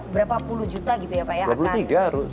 berapa puluh juta gitu ya pak ya